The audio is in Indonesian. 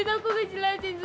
edo kamu harus dengerin aku